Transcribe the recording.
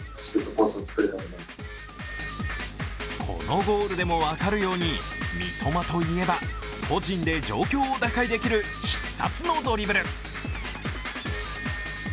このゴールでも分かるように、三笘といえば、個人で状況を打開できる必殺のドリブル。